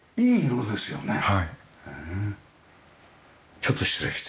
ちょっと失礼して。